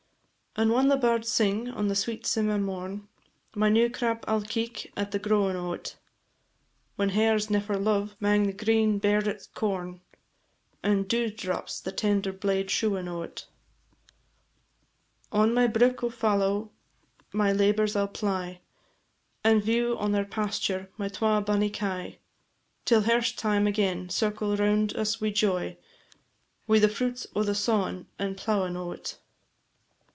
And whan the birds sing on the sweet simmer morn, My new crap I 'll keek at the growin' o't; Whan hares niffer love 'mang the green bairdit corn, And dew draps the tender blade shewin' o't, On my brick o' fallow my labours I 'll ply, And view on their pasture my twa bonny kye, Till hairst time again circle round us wi' joy, Wi' the fruits o' the sawin' and plowin' o't.